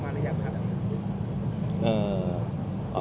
หมอบรรยาหมอบรรยา